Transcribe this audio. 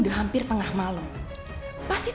aduh jangan jangan dia gak baca whatsapp yang aku kirim